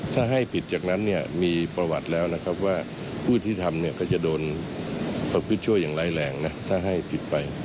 ถ้าให้ผิดจากนั้นเนี่ยมีประวัติแล้วนะครับว่าผู้ที่ทำเนี่ยก็จะโดนประพฤติช่วยอย่างไร้แรงนะถ้าให้ผิดไป